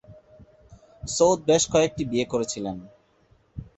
সৌদ বেশ কয়েকটি বিয়ে করেছিলেন।